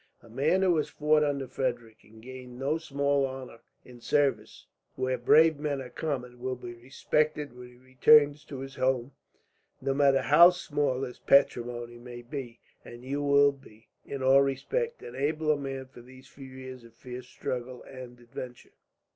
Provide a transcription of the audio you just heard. A man who has fought under Frederick, and gained no small honour in a service where brave men are common, will be respected when he returns to his home, no matter how small his patrimony may be; and you will be, in all respects, an abler man for these few years of fierce struggle and adventure.